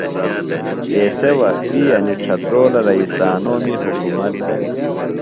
ایسےۡ وختی انیۡ ڇھترولہ رئیسانومی حُکومت دےۡ